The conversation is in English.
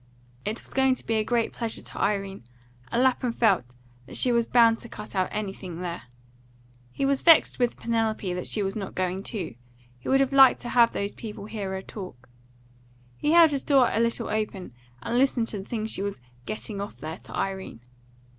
It was going to be a great pleasure to Irene, and Lapham felt that she was bound to cut out anything there. He was vexed with Penelope that she was not going too; he would have liked to have those people hear her talk. He held his door a little open, and listened to the things she was "getting off" there to Irene.